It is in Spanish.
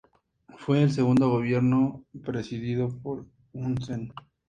Fue el segundo gobierno presidido por Hun Sen.